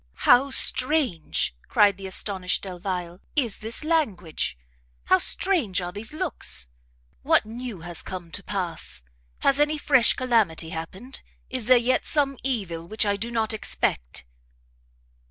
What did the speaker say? "How strange," cried the astonished Delvile, "is this language! how strange are these looks! What new has come to pass? Has any fresh calamity happened? Is there yet some evil which I do not expect?"